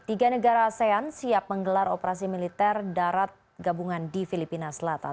tiga negara asean siap menggelar operasi militer darat gabungan di filipina selatan